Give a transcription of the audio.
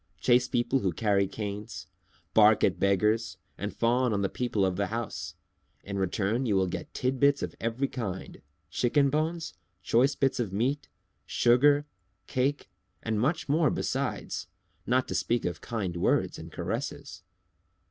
"Chase people who carry canes, bark at beggars, and fawn on the people of the house. In return you will get tidbits of every kind, chicken bones, choice bits of meat, sugar, cake, and much more beside, not to speak of kind words and caresses."